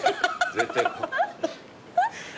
絶対。